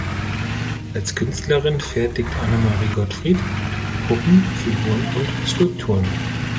Als Künstlerin fertigt Annemarie Gottfried Puppen, Figuren und Skulpturen.